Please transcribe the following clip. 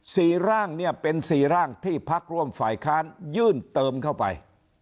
สี่ร่างเนี่ยเป็นสี่ร่างที่พักร่วมฝ่ายค้านยื่นเติมเข้าไป